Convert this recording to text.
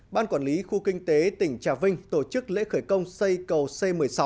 ban quản lý khu kinh tế tỉnh trà vinh tổ chức lễ khởi công xây cầu c một mươi sáu